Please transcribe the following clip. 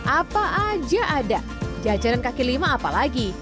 apa aja ada jajanan kaki lima apa lagi